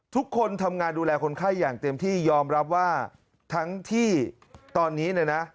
ทุกคนทำงานดูแลคนไข้อย่างเต็มที่ยอมรับว่าทั้งที่ตอนนี้เนี่ยนะ